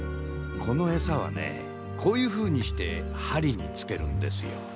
このエサはねこういうふうにして針につけるんですよ。